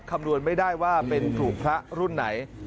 คำนวณไม่ได้ว่าเป็นถูกพระรุ่นไหน